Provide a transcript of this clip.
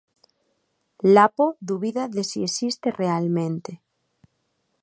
Lapo dubida de se existe realmente.